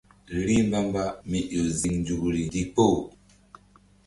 Rih mbamba mí ƴo zi nzukri ndikpo.